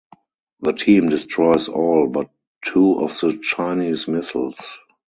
The team destroys all but two of the Chinese missiles.